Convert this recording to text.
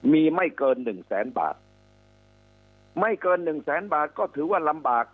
มีไม่เกินหนึ่งแสนบาทไม่เกินหนึ่งแสนบาทก็ถือว่าลำบาก